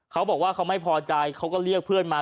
เขาบอกว่าเขาไม่พอใจเขาก็เรียกเพื่อนมา